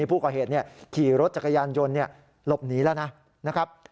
ผู้ก่อเหตุขี่รถจักรยานยนต์หลบหนีแล้วนะครับ